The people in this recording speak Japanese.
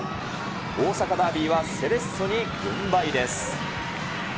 大阪ダービーはセレッソに軍配です。